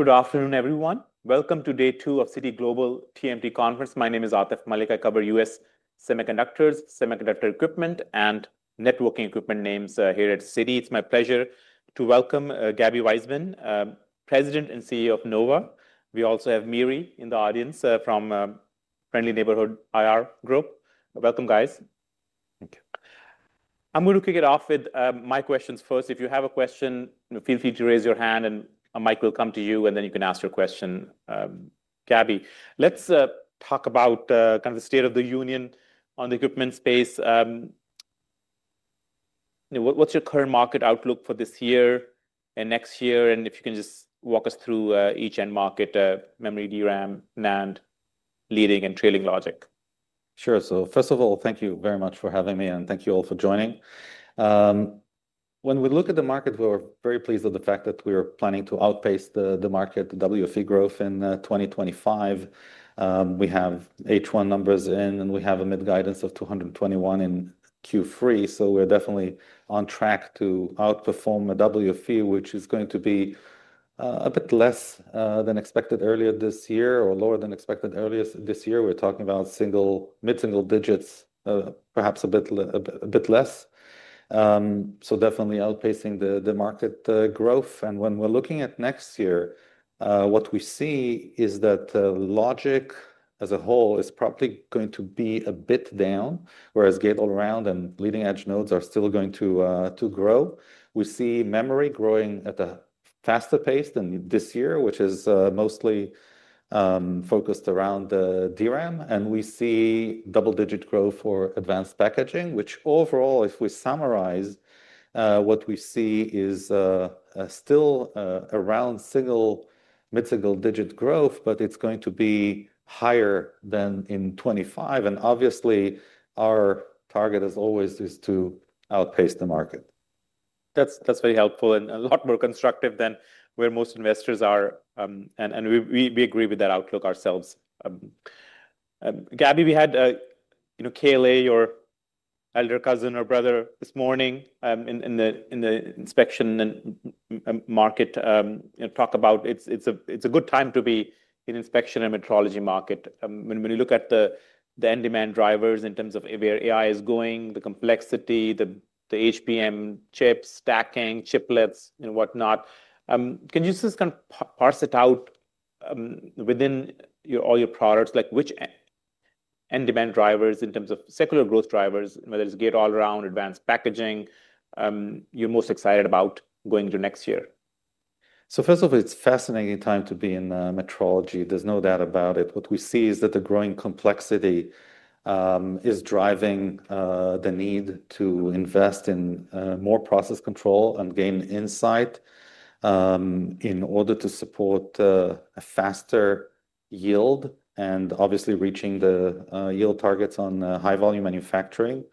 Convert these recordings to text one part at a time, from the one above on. Good afternoon, everyone. Welcome to day two of Citi Global TMT Conference. My name is Atif Malik. I cover U.S. semiconductors, semiconductor equipment, and networking equipment names here at Citi. It's my pleasure to welcome Gabi Weismann, President and CEO of Nova. We also have Miri in the audience from the Friendly Neighborhood IR Group. Welcome, guys. Thank you. I'm going to kick it off with my questions first. If you have a question, feel free to raise your hand, and a mic will come to you, and then you can ask your question. Gabi, let's talk about kind of the state of the union on the equipment space. What's your current market outlook for this year and next year? If you can just walk us through each end market: memory DRAM, NAND, leading and trailing logic. Sure. First of all, thank you very much for having me, and thank you all for joining. When we look at the market, we're very pleased with the fact that we're planning to outpace the market WFE growth in 2025. We have H1 numbers in, and we have a mid-guidance of $221 million in Q3. We're definitely on track to outperform WFE, which is going to be a bit less than expected earlier this year or lower than expected earlier this year. We're talking about mid-single digits, perhaps a bit less. We're definitely outpacing the market growth. When we're looking at next year, what we see is that logic as a whole is probably going to be a bit down, whereas gate-all-around and leading-edge nodes are still going to grow. We see memory growing at a faster pace than this year, which is mostly focused around DRAM. We see double-digit growth for advanced packaging, which overall, if we summarize, what we see is still around mid-single digit growth, but it's going to be higher than in 2025. Obviously, our target as always is to outpace the market. That's very helpful and a lot more constructive than where most investors are. We agree with that outlook ourselves. Gabi, we had KLA, your elder cousin or brother, this morning in the inspection and market talk about it's a good time to be in the inspection and metrology market. When you look at the end-demand drivers in terms of where AI is going, the complexity, the HBM chips, stacking, chiplets, and whatnot, can you just kind of parse it out within all your products? Like which end-demand drivers in terms of secular growth drivers, whether it's gate-all-around, advanced packaging, you're most excited about going to next year? First of all, it's a fascinating time to be in metrology. There's no doubt about it. What we see is that the growing complexity is driving the need to invest in more process control and gain insight in order to support a faster yield and obviously reaching the yield targets on high-volume manufacturing.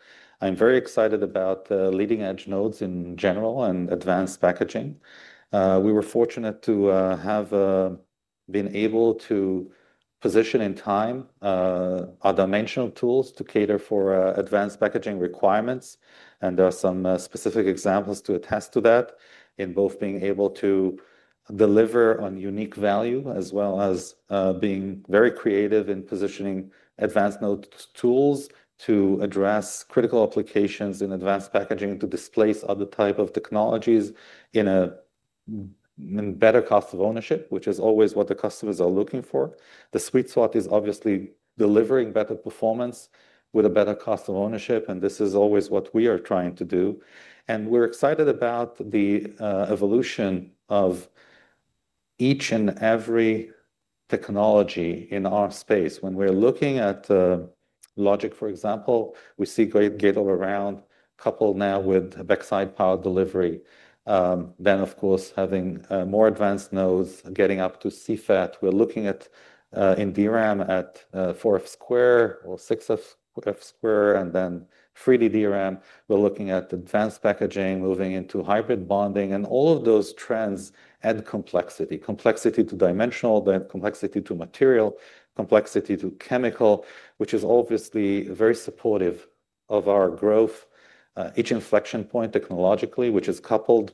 I'm very excited about leading-edge nodes in general and advanced packaging. We were fortunate to have been able to position in time our dimensional tools to cater for advanced packaging requirements. There are some specific examples to attest to that in both being able to deliver on unique value as well as being very creative in positioning advanced node tools to address critical applications in advanced packaging and to displace other types of technologies in a better cost of ownership, which is always what the customers are looking for. The sweet spot is obviously delivering better performance with a better cost of ownership. This is always what we are trying to do. We're excited about the evolution of each and every technology in our space. When we're looking at logic, for example, we see great gate-all-around coupled now with backside power delivery. Of course, having more advanced nodes getting up to CFET. We're looking at in DRAM at 4F2 or 6F2, and then 3D DRAM. We're looking at advanced packaging moving into hybrid bonding and all of those trends and complexity, complexity to dimensional, the complexity to material, complexity to chemical, which is obviously very supportive of our growth. Each inflection point technologically, which is coupled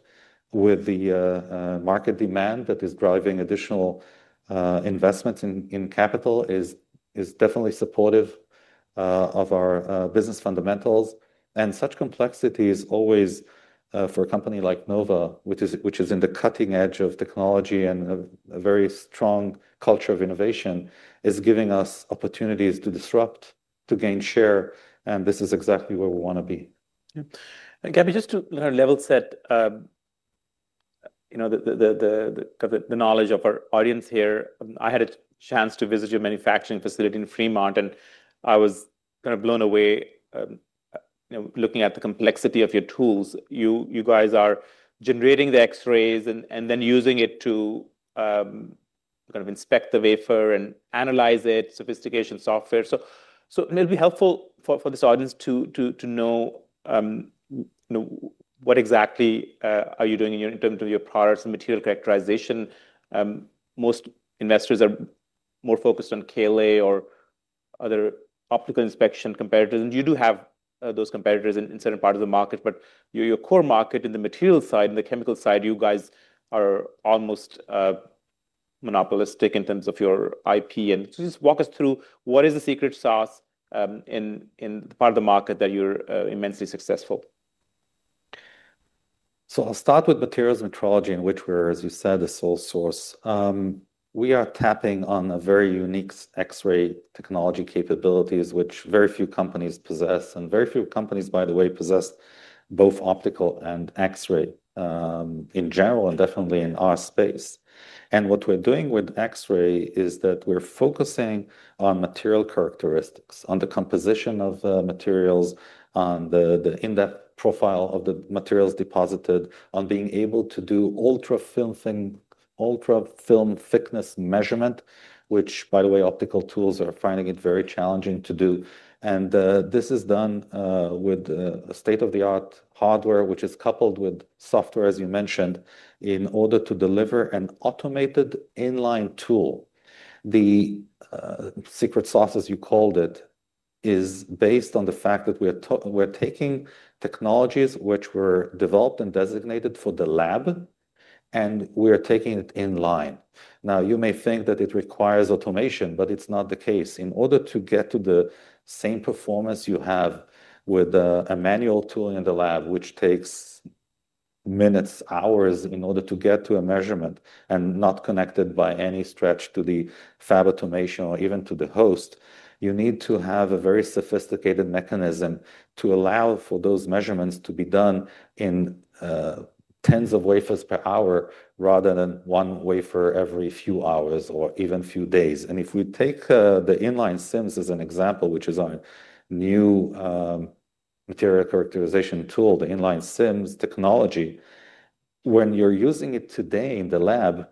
with the market demand that is driving additional investments in capital, is definitely supportive of our business fundamentals. Such complexity is always for a company like Nova, which is in the cutting edge of technology and a very strong culture of innovation, giving us opportunities to disrupt, to gain share. This is exactly where we want to be. Gabi, just to level set the knowledge of our audience here, I had a chance to visit your manufacturing facility in Fremont, and I was kind of blown away looking at the complexity of your tools. You guys are generating the X-rays and then using it to inspect the wafer and analyze it, sophistication software. It will be helpful for this audience to know what exactly are you doing in terms of your products and material characterization. Most investors are more focused on KLA or other optical inspection competitors. You do have those competitors in certain parts of the market, but your core market in the material side and the chemical side, you guys are almost monopolistic in terms of your IP. Just walk us through what is the secret sauce in the part of the market that you're immensely successful. I'll start with materials and metrology in which we're, as you said, the sole source. We are tapping on a very unique X-ray technology capabilities, which very few companies possess, and very few companies, by the way, possess both optical and X-ray in general, and definitely in our space. What we're doing with X-ray is that we're focusing on material characteristics, on the composition of materials, on the in-depth profile of the materials deposited, on being able to do ultra-film thickness measurement, which, by the way, optical tools are finding it very challenging to do. This is done with state-of-the-art hardware, which is coupled with software, as you mentioned, in order to deliver an automated inline tool. The secret sauce, as you called it, is based on the fact that we're taking technologies which were developed and designated for the lab, and we are taking it inline. You may think that it requires automation, but it's not the case. In order to get to the same performance you have with a manual tool in the lab, which takes minutes, hours in order to get to a measurement and not connected by any stretch to the fab automation or even to the host, you need to have a very sophisticated mechanism to allow for those measurements to be done in tens of wafers per hour rather than one wafer every few hours or even a few days. If we take the inline SIMS as an example, which is our new material characterization tool, the inline SIMS technology, when you're using it today in the lab,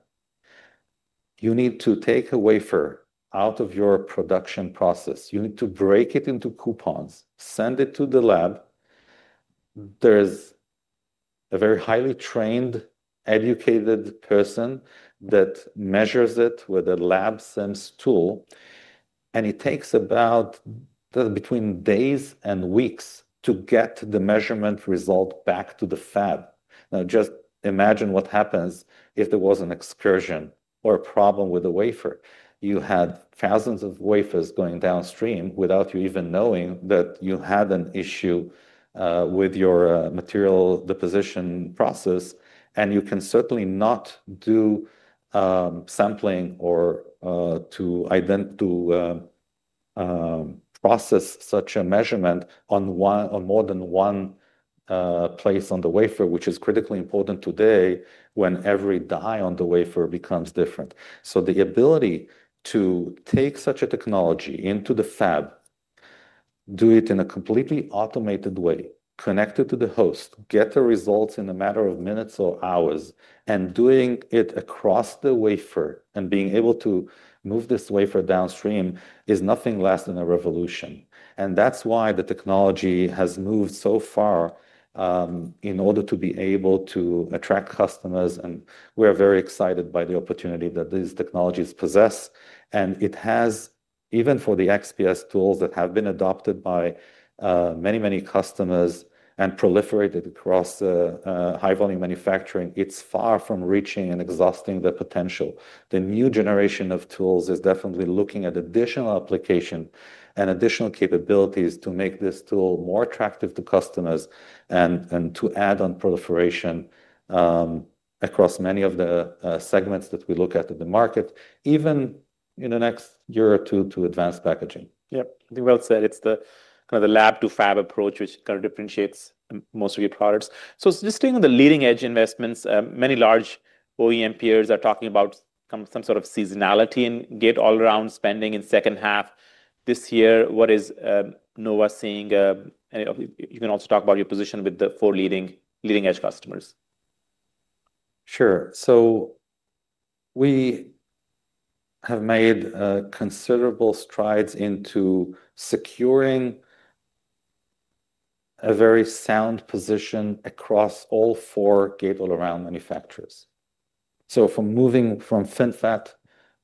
you need to take a wafer out of your production process. You need to break it into coupons, send it to the lab. There's a very highly trained, educated person that measures it with a lab SIMS tool, and it takes about between days and weeks to get the measurement result back to the fab. Just imagine what happens if there was an excursion or a problem with a wafer. You had thousands of wafers going downstream without you even knowing that you had an issue with your material deposition process. You can certainly not do sampling or process such a measurement on more than one place on the wafer, which is critically important today when every die on the wafer becomes different. The ability to take such a technology into the fab, do it in a completely automated way, connect it to the host, get the results in a matter of minutes or hours, and doing it across the wafer and being able to move this wafer downstream is nothing less than a revolution. That is why the technology has moved so far in order to be able to attract customers. We are very excited by the opportunity that these technologies possess. It has, even for the X-ray-based material characterization tools that have been adopted by many, many customers and proliferated across high-volume manufacturing, it is far from reaching and exhausting the potential. The new generation of tools is definitely looking at additional application and additional capabilities to make this tool more attractive to customers and to add on proliferation across many of the segments that we look at in the market, even in the next year or two to advanced packaging. Yep. You well said. It's the kind of the lab-to-fab approach which differentiates most of your products. Just staying on the leading-edge investments, many large OEM peers are talking about some sort of seasonality in gate-all-around spending in the second half this year. What is Nova seeing? You can also talk about your position with the four leading-edge customers. Sure. We have made considerable strides into securing a very sound position across all four gate-all-around manufacturers. From moving from FinFET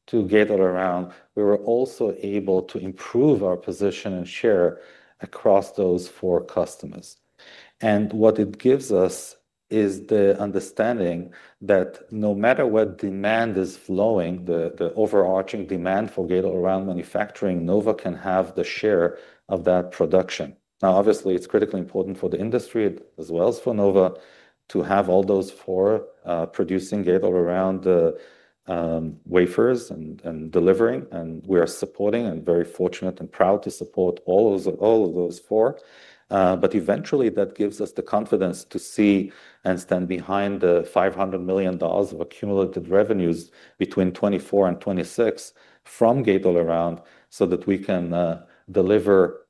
to gate-all-around, we were also able to improve our position and share across those four customers. What it gives us is the understanding that no matter what demand is flowing, the overarching demand for gate-all-around manufacturing, Nova can have the share of that production. Obviously, it's critically important for the industry as well as for Nova to have all those four producing gate-all-around wafers and delivering. We are supporting and very fortunate and proud to support all of those four. Eventually, that gives us the confidence to see and stand behind the $500 million of accumulated revenues between 2024 and 2026 from gate-all-around so that we can deliver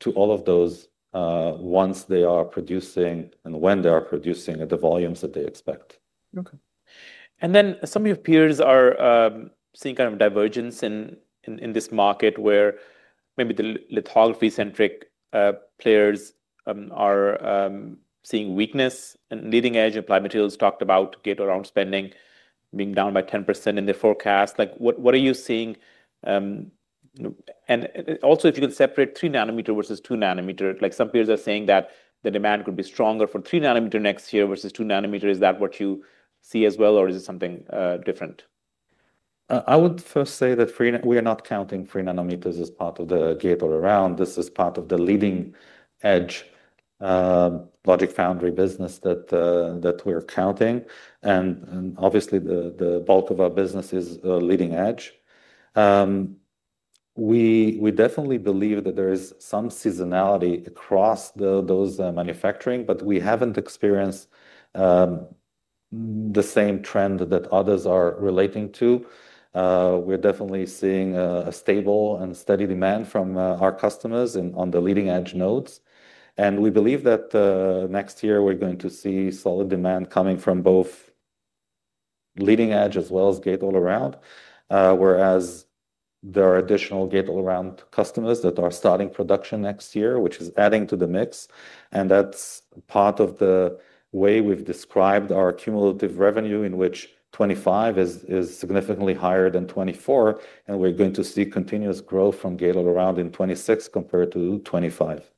to all of those once they are producing and when they are producing at the volumes that they expect. Okay. Some of your peers are seeing kind of divergence in this market where maybe the lithography-centric players are seeing weakness. Leading edge applied materials talked about gate-all-around spending being down by 10% in their forecast. What are you seeing? Also, if you can separate 3 nm versus 2 nm, some peers are saying that the demand could be stronger for 3 nm next year versus 2 nm. Is that what you see as well, or is it something different? I would first say that we are not counting 3 nm as part of the gate-all-around. This is part of the leading-edge logic foundry business that we're counting. Obviously, the bulk of our business is leading edge. We definitely believe that there is some seasonality across those manufacturing, but we haven't experienced the same trend that others are relating to. We're definitely seeing a stable and steady demand from our customers on the leading-edge nodes. We believe that next year we're going to see solid demand coming from both leading edge as well as gate-all-around, whereas there are additional gate-all-around customers that are starting production next year, which is adding to the mix. That's part of the way we've described our cumulative revenue in which 2025 is significantly higher than 2024. We're going to see continuous growth from gate-all-around in 2026 compared to 2025.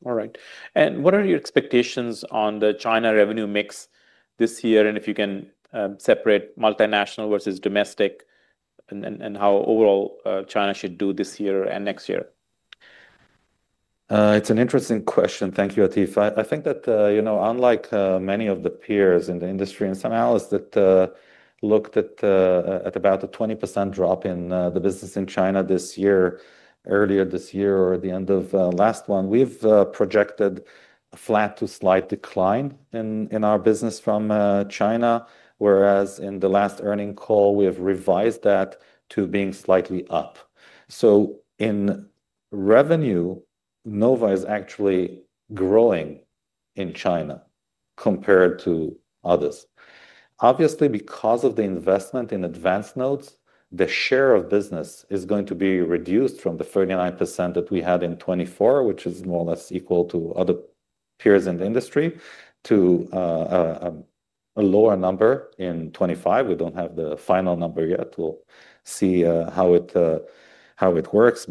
What are your expectations on the China revenue mix this year? If you can separate multinational versus domestic and how overall China should do this year and next year? It's an interesting question. Thank you, Atif. I think that, you know, unlike many of the peers in the industry and some analysts that looked at about a 20% drop in the business in China this year, earlier this year or the end of last one, we've projected a flat to slight decline in our business from China, whereas in the last earning call, we have revised that to being slightly up. In revenue, Nova is actually growing in China compared to others. Obviously, because of the investment in advanced nodes, the share of business is going to be reduced from the 39% that we had in 2024, which is more or less equal to other peers in the industry, to a lower number in 2025. We don't have the final number yet. We'll see how it works.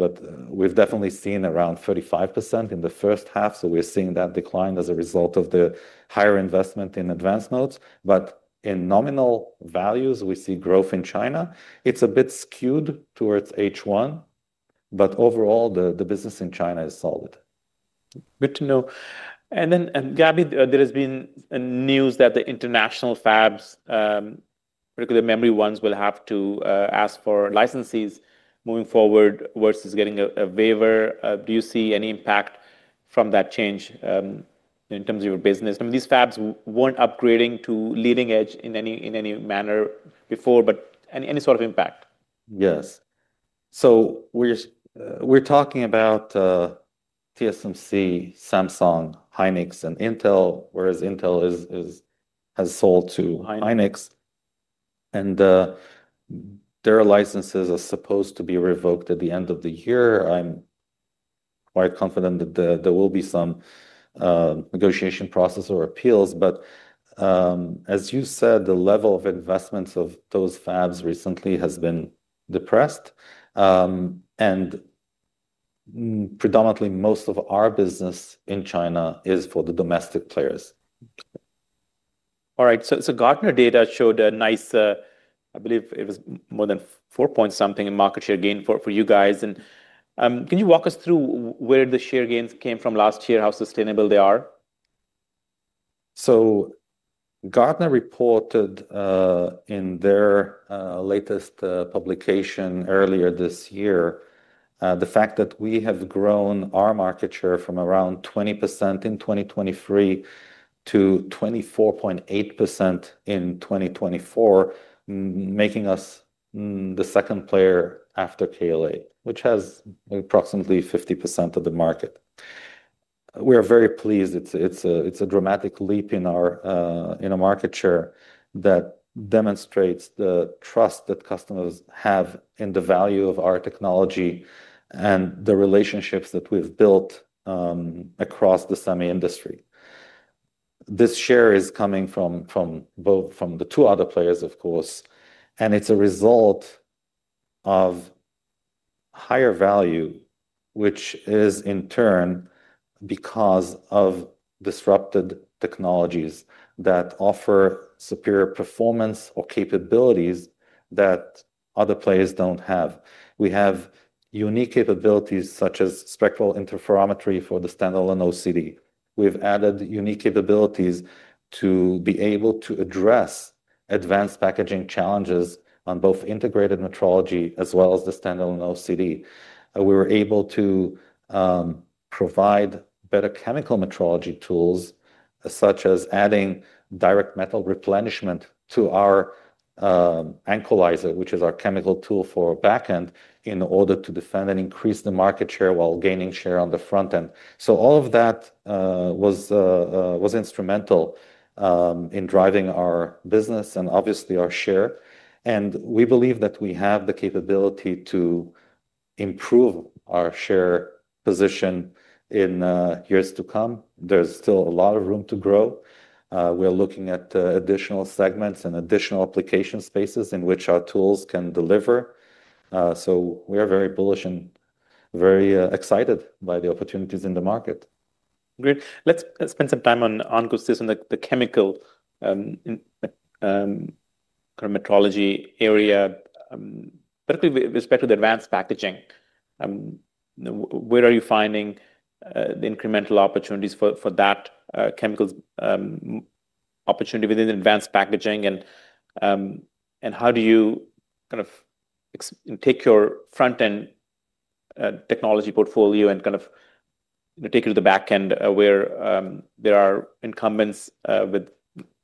We've definitely seen around 35% in the first half. We're seeing that decline as a result of the higher investment in advanced nodes. In nominal values, we see growth in China. It's a bit skewed towards H1, but overall, the business in China is solid. Good to know. Gabi, there has been news that the international fabs, particularly the memory ones, will have to ask for licenses moving forward versus getting a waiver. Do you see any impact from that change in terms of your business? I mean, these fabs weren't upgrading to leading edge in any manner before, but any sort of impact? Yes. We're talking about TSMC, Samsung, Hynix, and Intel, whereas Intel has sold to Hynix. Their licenses are supposed to be revoked at the end of the year. I'm quite confident that there will be some negotiation process or appeals. As you said, the level of investments of those fabs recently has been depressed. Predominantly, most of our business in China is for the domestic players. All right. Gartner data showed a nice, I believe it was more than 4% something in market share gain for you guys. Can you walk us through where the share gains came from last year, how sustainable they are? Gartner reported in their latest publication earlier this year the fact that we have grown our market share from around 20% in 2023 to 24.8% in 2024, making us the second player after KLA, which has approximately 50% of the market. We are very pleased. It's a dramatic leap in our market share that demonstrates the trust that customers have in the value of our technology and the relationships that we've built across the semi industry. This share is coming from the two other players, of course. It's a result of higher value, which is in turn because of disrupted technologies that offer superior performance or capabilities that other players don't have. We have unique capabilities such as spectral interferometry for the standalone OCD. We've added unique capabilities to be able to address advanced packaging challenges on both integrated metrology as well as the standalone OCD. We were able to provide better chemical metrology tools such as adding direct metal replenishment to our ankylizer, which is our chemical tool for backend in order to defend and increase the market share while gaining share on the frontend. All of that was instrumental in driving our business and obviously our share. We believe that we have the capability to improve our share position in years to come. There's still a lot of room to grow. We're looking at additional segments and additional application spaces in which our tools can deliver. We are very bullish and very excited by the opportunities in the market. Great. Let's spend some time on just this, on the chemical kind of metrology area. Particularly with respect to the advanced packaging, where are you finding incremental opportunities for that chemical opportunity within advanced packaging? How do you kind of take your frontend technology portfolio and kind of take it to the backend, where there are incumbents with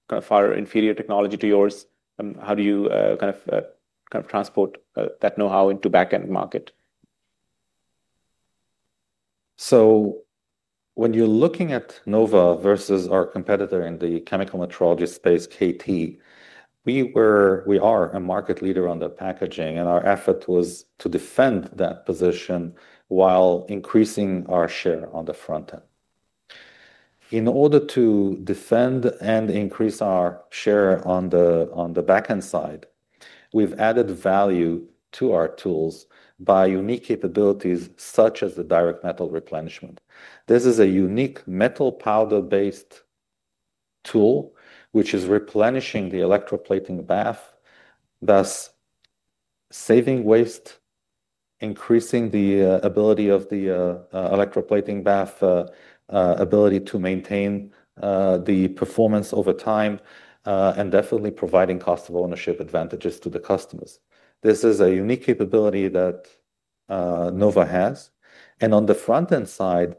kind of far inferior technology to yours? How do you kind of transport that know-how into the backend market? When you're looking at Nova versus our competitor in the chemical metrology space, KT, we are a market leader on the packaging, and our effort was to defend that position while increasing our share on the frontend. In order to defend and increase our share on the backend side, we've added value to our tools by unique capabilities such as the direct metal replenishment. This is a unique metal powder-based tool which is replenishing the electroplating bath, thus saving waste, increasing the ability of the electroplating bath to maintain the performance over time, and definitely providing cost of ownership advantages to the customers. This is a unique capability that Nova has. On the frontend side,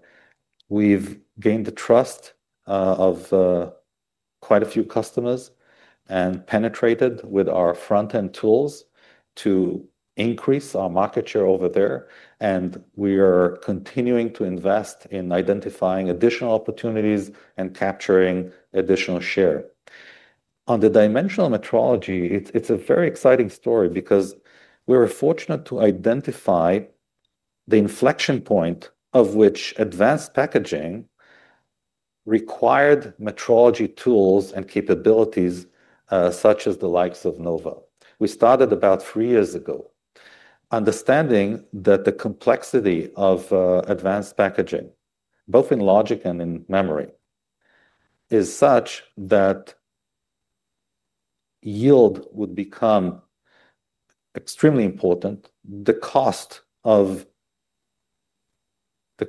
we've gained the trust of quite a few customers and penetrated with our frontend tools to increase our market share over there. We are continuing to invest in identifying additional opportunities and capturing additional share. On the dimensional metrology, it's a very exciting story because we were fortunate to identify the inflection point at which advanced packaging required metrology tools and capabilities such as the likes of Nova. We started about three years ago, understanding that the complexity of advanced packaging, both in logic and in memory, is such that yield would become extremely important. The cost of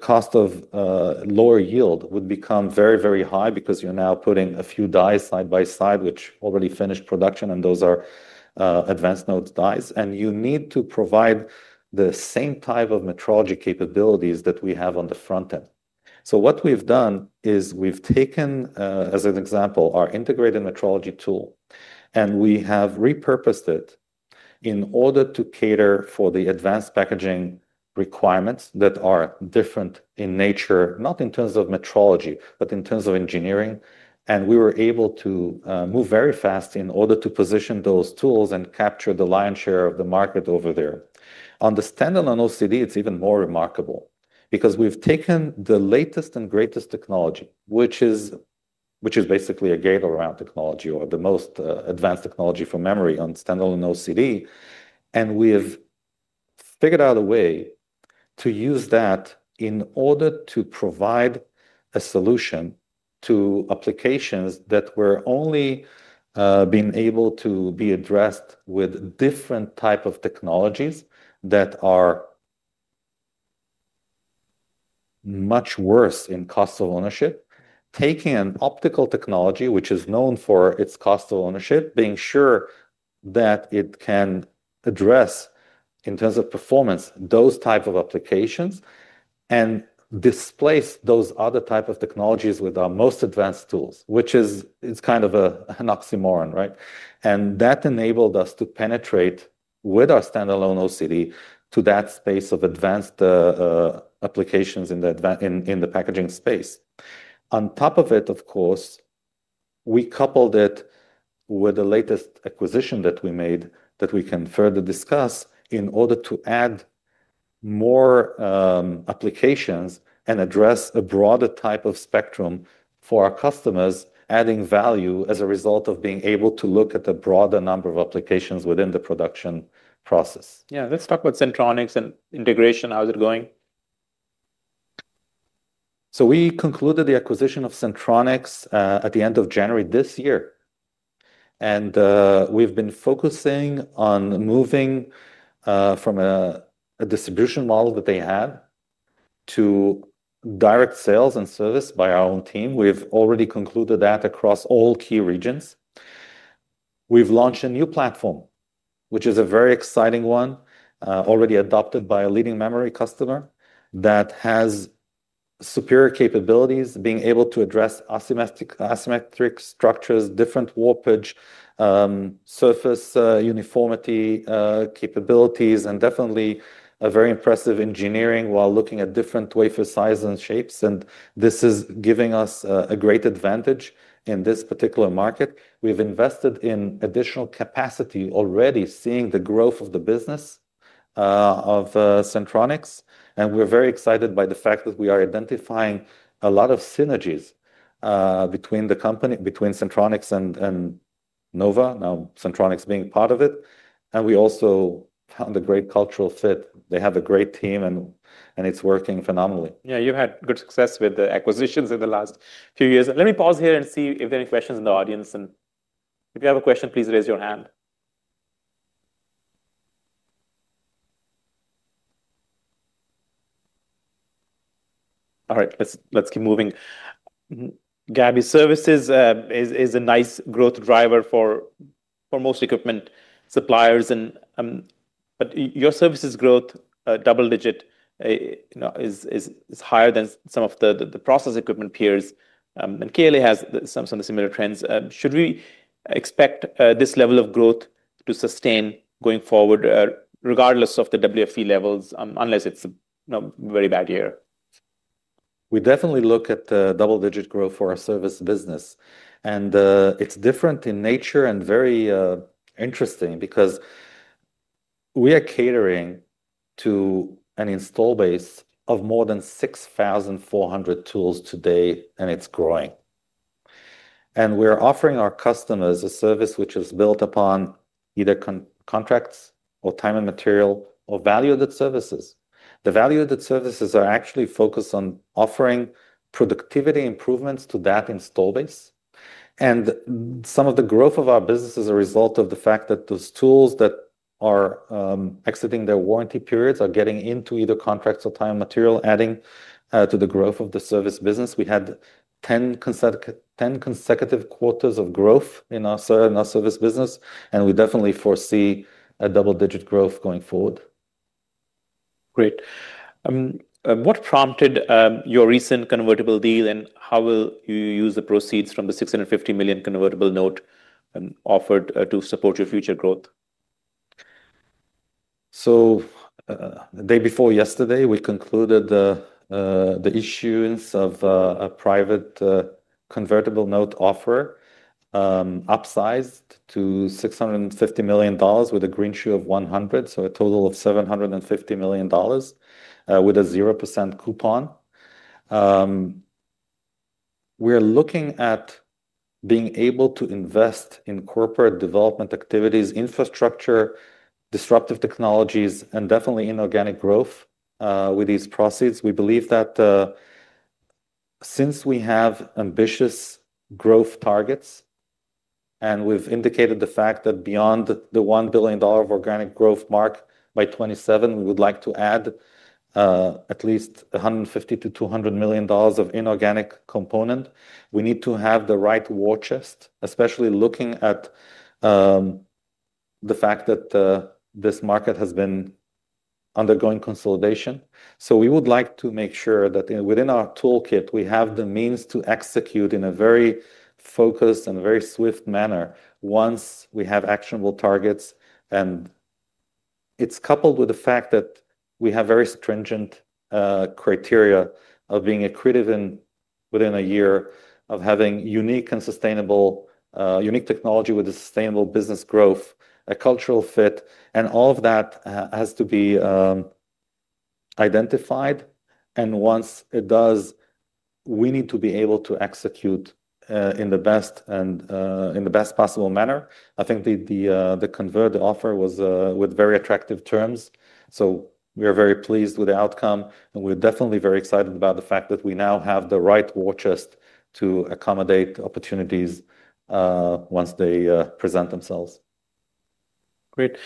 lower yield would become very, very high because you're now putting a few dies side by side, which already finish production, and those are advanced nodes dies. You need to provide the same type of metrology capabilities that we have on the frontend. What we've done is we've taken, as an example, our integrated metrology tool, and we have repurposed it in order to cater for the advanced packaging requirements that are different in nature, not in terms of metrology, but in terms of engineering. We were able to move very fast in order to position those tools and capture the lion's share of the market over there. On the standalone OCD, it's even more remarkable because we've taken the latest and greatest technology, which is basically a gate-all-around technology or the most advanced technology for memory on standalone OCD, and we have figured out a way to use that in order to provide a solution to applications that were only being able to be addressed with different types of technologies that are much worse in cost of ownership. Taking an optical technology, which is known for its cost of ownership, being sure that it can address, in terms of performance, those types of applications and displace those other types of technologies with our most advanced tools, which is kind of an oxymoron, right? That enabled us to penetrate with our standalone OCD to that space of advanced applications in the packaging space. On top of it, of course, we coupled it with the latest acquisition that we made that we can further discuss in order to add more applications and address a broader type of spectrum for our customers, adding value as a result of being able to look at a broader number of applications within the production process. Yeah, let's talk about Syntronics and integration, how they're going. We concluded the acquisition of Syntronics at the end of January this year. We've been focusing on moving from a distribution model that they had to direct sales and service by our own team. We've already concluded that across all key regions. We've launched a new platform, which is a very exciting one, already adopted by a leading memory customer that has superior capabilities, being able to address asymmetric structures, different warpage, surface uniformity capabilities, and definitely a very impressive engineering while looking at different wafer sizes and shapes. This is giving us a great advantage in this particular market. We've invested in additional capacity, already seeing the growth of the business of Syntronics. We're very excited by the fact that we are identifying a lot of synergies between the company, between Syntronics and Nova, now Syntronics being part of it. We also found a great cultural fit. They have a great team, and it's working phenomenally. Yeah, you've had good success with the acquisitions in the last few years. Let me pause here and see if there are any questions in the audience. If you have a question, please raise your hand. All right, let's keep moving. Gabi, services is a nice growth driver for most equipment suppliers. Your services growth, double digit, is higher than some of the process equipment peers. KLA has some similar trends. Should we expect this level of growth to sustain going forward, regardless of the WFE levels, unless it's a very bad year? We definitely look at double-digit growth for our service business. It's different in nature and very interesting because we are catering to an installed base of more than 6,400 tools today, and it's growing. We're offering our customers a service which is built upon either contracts or time and material or value-added services. The value-added services are actually focused on offering productivity improvements to that installed base. Some of the growth of our business is a result of the fact that those tools that are exiting their warranty periods are getting into either contracts or time and material, adding to the growth of the service business. We had 10 consecutive quarters of growth in our service business, and we definitely foresee a double-digit growth going forward. Great. What prompted your recent convertible deal, and how will you use the proceeds from the $650 million convertible note offered to support your future growth? The day before yesterday, we concluded the issuance of a private convertible note offer upsized to $650 million with a green shoe of $100 million, so a total of $750 million with a 0% coupon. We're looking at being able to invest in corporate development activities, infrastructure, disruptive technologies, and definitely inorganic growth with these proceeds. We believe that since we have ambitious growth targets, and we've indicated the fact that beyond the $1 billion of organic growth mark by 2027, we would like to add at least $150 million- $200 million of inorganic component. We need to have the right war chest, especially looking at the fact that this market has been undergoing consolidation. We would like to make sure that within our toolkit, we have the means to execute in a very focused and very swift manner once we have actionable targets. It's coupled with the fact that we have very stringent criteria of being accretive within a year, of having unique and sustainable, unique technology with a sustainable business growth, a cultural fit. All of that has to be identified. Once it does, we need to be able to execute in the best and in the best possible manner. I think the convertible offer was with very attractive terms. We are very pleased with the outcome, and we're definitely very excited about the fact that we now have the right war chest to accommodate opportunities once they present themselves. Great.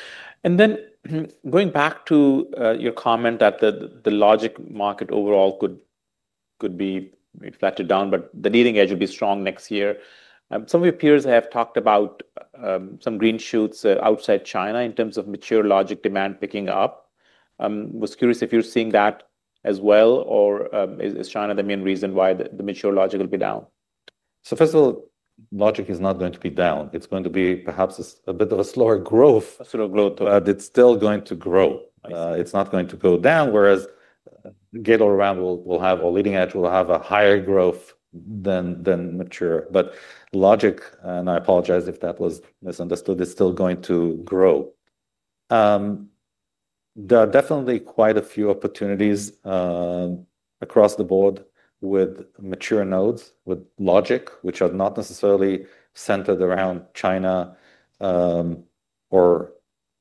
Going back to your comment that the logic market overall could be flat or down, the leading edge would be strong next year. Some of your peers have talked about some green shoots outside China in terms of mature logic demand picking up. I was curious if you're seeing that as well, or is China the main reason why the mature logic will be down? First of all, logic is not going to be down. It's going to be perhaps a bit of a slower growth. A slower growth. It's still going to grow. It's not going to go down, whereas gate-all-around will have a leading edge, will have a higher growth than mature. Logic, and I apologize if that was misunderstood, is still going to grow. There are definitely quite a few opportunities across the board with mature nodes, with logic, which are not necessarily centered around China or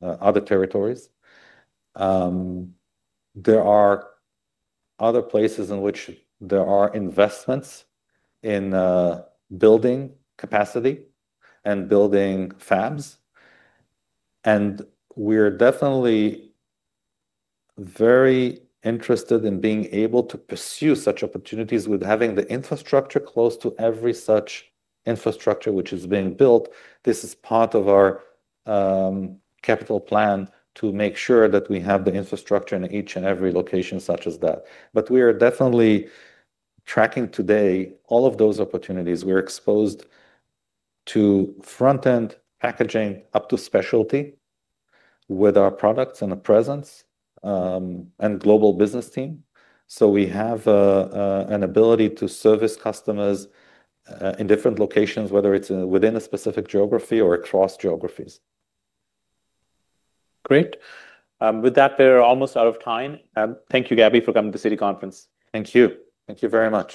other territories. There are other places in which there are investments in building capacity and building fabs. We are definitely very interested in being able to pursue such opportunities with having the infrastructure close to every such infrastructure which is being built. This is part of our capital plan to make sure that we have the infrastructure in each and every location such as that. We are definitely tracking today all of those opportunities. We're exposed to frontend packaging up to specialty with our products and a presence and global business team. We have an ability to service customers in different locations, whether it's within a specific geography or across geographies. Great. With that, we're almost out of time. Thank you, Gabi, for coming to the Citi Conference. Thank you. Thank you very much.